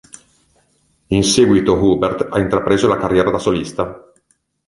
In seguito Hubert ha intrapreso la carriera da solista.